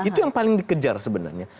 itu yang paling dikejar sebenarnya